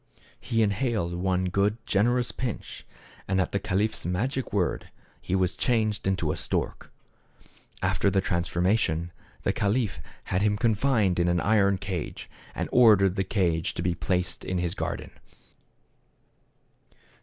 He inhaled one good, generous pinch, and at the caliph's magic word, he was changed THE CAB AVAN. 105 into a stork. After the transformation the caliph had him confined in an iron cage, and ordered the cage to be placed in his garden.